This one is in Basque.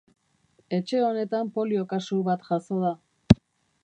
Etxe honetan polio kasu bat jazo da.